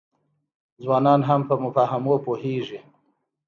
ځوانان هم په مفاهیمو پوهیږي.